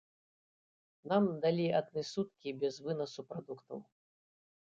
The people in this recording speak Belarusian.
Нам далі адны суткі без вынасу прадуктаў.